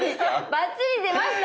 バッチリ出ました。